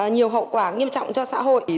nhiều hậu quả nghiêm trọng cho xã hội